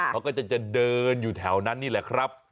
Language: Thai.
เขาก็จะเดินอยู่แถวนั้นนี่แหละครับ